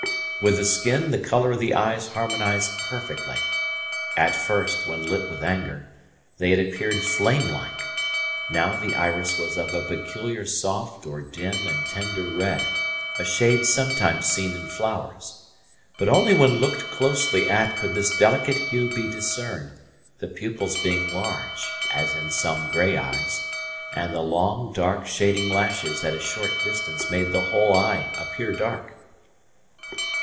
With the skin the colour of the eyes harmonized perfectly. At first, when lit with anger, they had appeared flame like; now the iris was of a peculiar soft or dim and tender red, a shade sometimes seen in flowers. But only when looked closely at could this delicate hue be discerned, the pupils being large, as in some grey eyes, and the long, dark, shading lashes at a short distance made the whole eye appear dark.